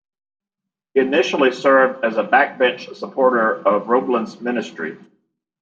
He initially served as a backbench supporter of Roblin's ministry.